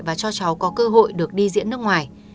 và cho cháu có cơ hội được đi diễn nước ngoài